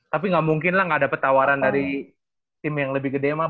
tapi gak mungkin lah gak dapet tawaran dari tim yang lebih gede pak